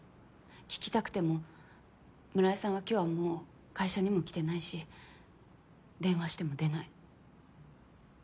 聞きたくても村井さんは今日はもう会社にも来てないし電話しても出ない。